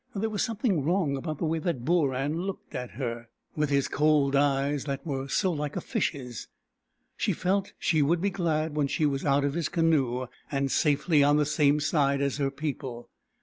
There was something wrong about the way that Booran looked at her, with his cold eyes that were so like a fish's. She felt she would be glad when she was out of his canoe, and safely on the same side as her people.